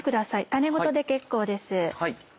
種ごとで結構です。